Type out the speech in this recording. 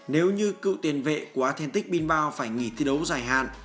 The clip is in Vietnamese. nếu như cựu tiền vệ của athletic bilbao phải nghỉ thi đấu dài hạn